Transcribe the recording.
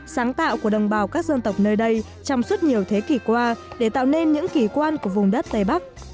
sáng tạo của đồng bào các dân tộc nơi đây trong suốt nhiều thế kỷ qua để tạo nên những kỳ quan của vùng đất tây bắc